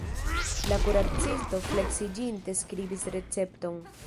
La kuracisto fleksiĝinte skribis recepton.